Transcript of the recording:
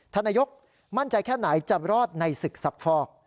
นายกมั่นใจแค่ไหนจะรอดในศึกซักฟอก